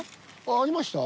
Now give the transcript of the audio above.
ありました？